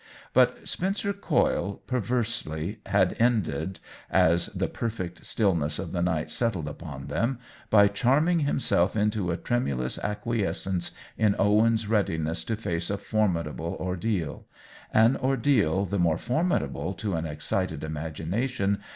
But Spencer Coyle, perversely, had ended, as the perfect stillness of the night settled upon them, by charming himself into a trem ulous acquiescence in Owen's readiness to face a formidable ordeal — an ordeal the more formidable to an excited imagination